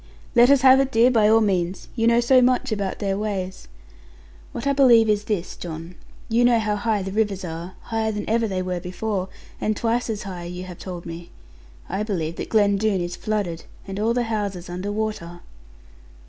'Let us have it, dear, by all means. You know so much about their ways.' 'What I believe is this, John. You know how high the rivers are, higher than ever they were before, and twice as high, you have told me. I believe that Glen Doone is flooded, and all the houses under water.'